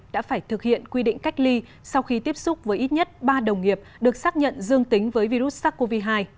đã phải thực hiện quy định cách ly sau khi tiếp xúc với ít nhất ba đồng nghiệp được xác nhận dương tính với virus sars cov hai